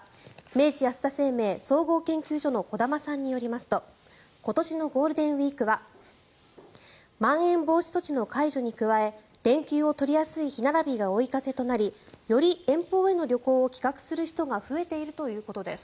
明治安田生命総合研究所の小玉さんによりますと今年のゴールデンウィークはまん延防止措置の解除に加え連休を取りやすい日並びが追い風となりより遠方への旅行を企画する人が増えているということです。